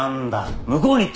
向こうに行ってろ！